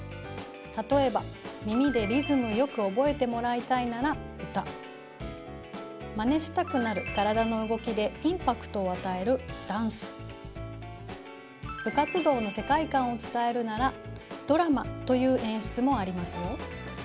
例えば耳でリズムよく覚えてもらいたいならマネしたくなる体の動きでインパクトをあたえる部活動の世界観を伝えるなら「ドラマ」という演出もありますよ。